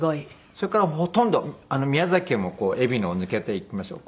それからほとんど宮崎県もえびのを抜けて行きましたよ。